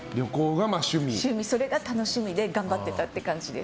それが楽しみで頑張ってた感じです。